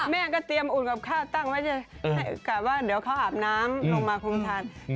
แม่ก็เตรียมอุ่นกับข้าวตั้งไว้กะว่าเดี๋ยวเขาอาบน้ำลงมาคงทาน